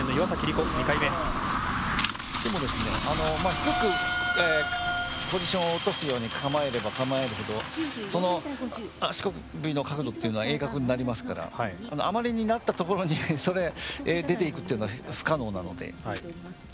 低くポジションを落とすように構えれば構える程その足首の角度っていうのは鋭角になりますからあまりになったところにそれ出ていくっていうのは不可能なので。